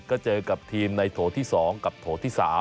ก็เจอกับทีมในโถที่๒กับโถที่๓